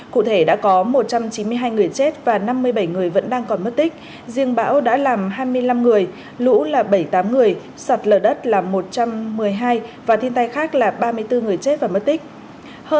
cụ thể đã có một trăm chín mươi hai người chết và năm mươi bảy người vẫn đang còn mất tích riêng bão đã làm hai mươi năm người lũ là bảy mươi tám người sạt lở đất là một trăm một mươi hai và thiên tai khác là ba mươi bốn người chết và mất tích